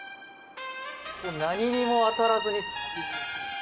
何にも当たらずにスーッ。